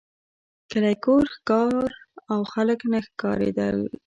کلی کور ښار او خلک نه ښکارېدل.